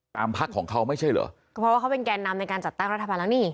พักของเขาไม่ใช่เหรอก็เพราะว่าเขาเป็นแก่นำในการจัดตั้งรัฐบาลแล้วนี่